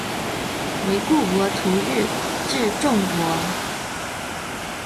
惟故博徒日至纵博。